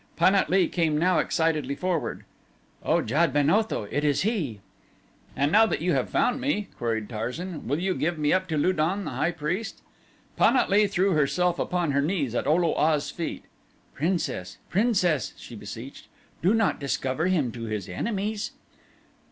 Pan at lee came now excitedly forward. "O Jad ben Otho, it is he!" "And now that you have found me," queried Tarzan, "will you give me up to Lu don, the high priest?" Pan at lee threw herself upon her knees at O lo a's feet. "Princess! Princess!" she beseeched, "do not discover him to his enemies."